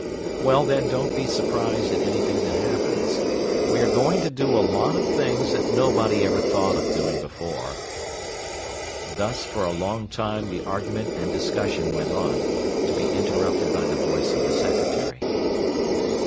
Well, then, don't be surprised at anything that happens. We are going to do a lot of things that nobody ever thought of doing before." Thus for a long time the argument and discussion went on, to be interrupted by the voice of the secretary.